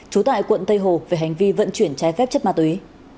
trú tại quận tây hồ về hành vi vận chuyển trái phép chất ma túy